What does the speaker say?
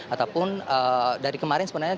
ataupun dari kemarin sebenarnya